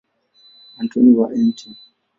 Antoni wa Mt.